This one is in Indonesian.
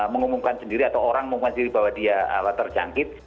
mengumumkan sendiri atau orang mengumumkan sendiri bahwa dia terjangkit